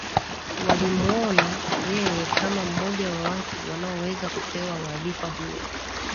Walimwona yeye kama mmoja wa watu wanaoweza kupewa wadhifa huo